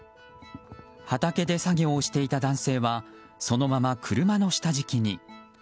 畑で作業していた男性はそのまま車の下敷きに。